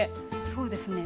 そうですね。